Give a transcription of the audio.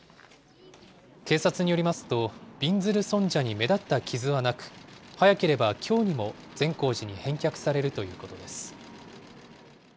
警察によりますと、びんずる尊者に目立った傷はなく、早ければきょうにも善光寺に返却されるということです。